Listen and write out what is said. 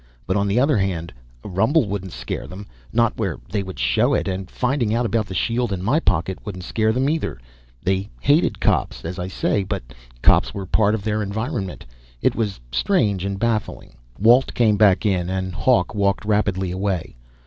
But on the other hand, a rumble wouldn't scare them not where they would show it; and finding out about the shield in my pocket wouldn't scare them, either. They hated cops, as I say; but cops were a part of their environment. It was strange, and baffling. Walt came back in, and Hawk walked rapidly away.